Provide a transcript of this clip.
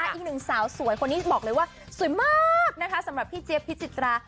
อีกหนึ่งสาวสวยคนนี้บอกเลยว่าสวยมากนะคะสำหรับพี่เจี๊ยพิจิตรา